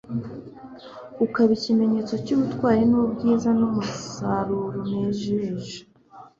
ukaba ikimenyetso cy'ubutwari n'ubwiza n'umusamro unejeje.